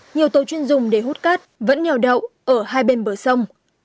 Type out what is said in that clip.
nhiều tô chuyên dùng để hút cát vẫn nhào đậu ở hai bên bờ sông